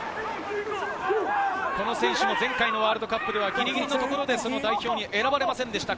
この選手も前回のワールドカップではギリギリのところで代表に選ばれませんでした。